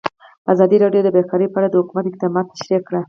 ازادي راډیو د بیکاري په اړه د حکومت اقدامات تشریح کړي.